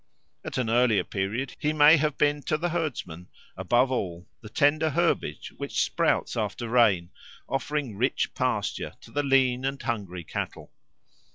At an earlier period he may have been to the herdsman, above all, the tender herbage which sprouts after rain, offering rich pasture to the lean and hungry cattle.